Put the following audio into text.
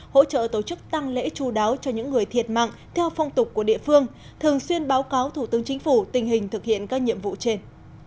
hỗ trợ tổ chức tăng lễ chú đáo cho những người thiệt mạng theo phong tục của địa phương thường xuyên báo cáo thủ tướng chính phủ tình hình thực hiện các nhiệm vụ trên